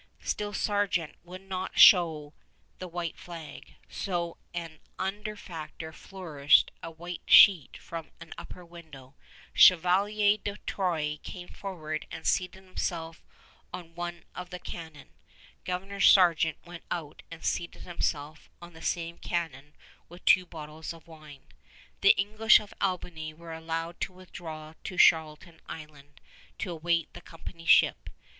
Still Sargeant would not show the white flag; so an underfactor flourished a white sheet from an upper window. Chevalier De Troyes came forward and seated himself on one of the cannon. Governor Sargeant went out and seated himself on the same cannon with two bottles of wine. The English of Albany were allowed to withdraw to Charlton Island to await the company ship.